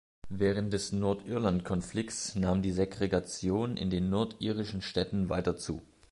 Während des Nordirlandkonflikts nahm die Segregation in den nordirischen Städten weiter zu.